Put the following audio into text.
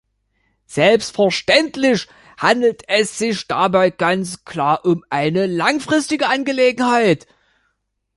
Selbstverständlich handelt es sich dabei ganz klar um eine langfristige Angelegenheit.